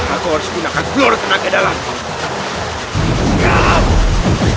aku harus gunakan gelor tenaga dalamku